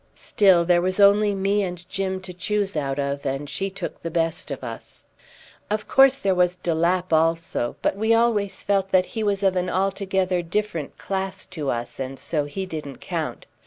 Still there was only me and Jim to choose out of, and she took the best of us. Of course there was de Lapp also; but we always felt that he was of an altogether different class to us, and so he didn't count.